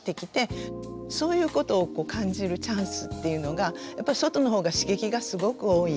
そういうことを感じるチャンスっていうのがやっぱり外の方が刺激がすごく多いんで。